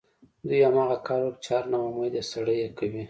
دوی هماغه کار وکړ چې هر ناامیده سړی یې کوي